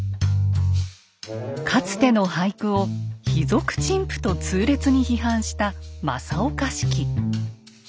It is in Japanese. かつての俳句を「卑俗陳腐」と痛烈に批判した正岡子規。